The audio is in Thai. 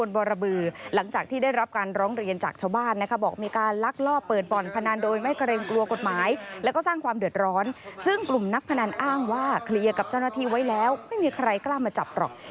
ว่าเคลียร์กับเจ้าหน้าที่ไว้แล้วไม่มีใครกล้ามาจับหรอก